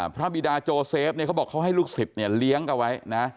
บิดาโจเซฟเนี่ยเขาบอกเขาให้ลูกศิษย์เนี่ยเลี้ยงเอาไว้นะ